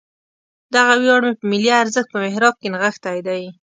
دغه ویاړ مې په ملي ارزښت په محراب کې نغښتی دی.